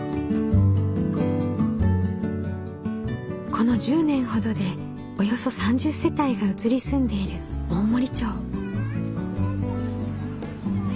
この１０年ほどでおよそ３０世帯が移り住んでいる大森町。